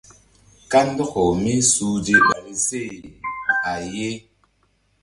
Kandɔkaw mísuhze ɓahri se a ye.